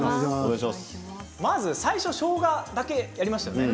最初にしょうがだけやりましたよね。